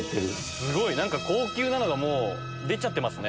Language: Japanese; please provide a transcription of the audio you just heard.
すごい！何か高級なのが出ちゃってますね。